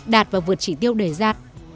đạt và vượt chỉ tiêu đề giạt